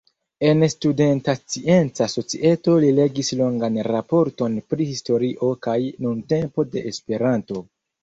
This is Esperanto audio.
En Studenta Scienca Societo li legis longan raporton pri "historio kaj nuntempo de Esperanto".